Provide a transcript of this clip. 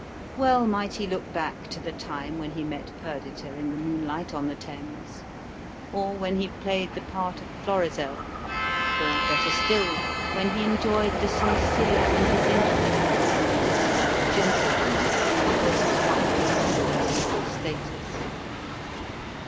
Well might he look back to the time when he met Perdita in the moonlight on the Thames, or when he played the part of Florizel, or, better still, when he enjoyed the sincere and disinterested love of the gentle woman who was his wife in all but legal status.